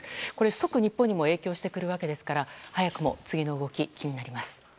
即、日本にも影響してくるわけですから早くも次の動き、気になります。